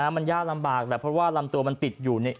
มันยากลำบากแหละเพราะว่าลำตัวมันติดอยู่เนี่ย